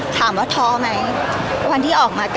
พี่ตอบได้แค่นี้จริงค่ะ